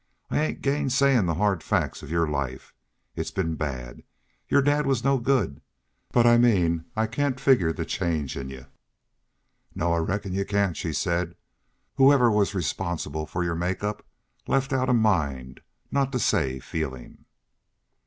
"I ain't gainsayin' the hard facts of your life. It's been bad. Your dad was no good.... But I mean I can't figger the change in y'u." "No, I reckon y'u cain't," she said. "Whoever was responsible for your make up left out a mind not to say feeling."